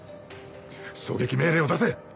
狙撃命令を出せ。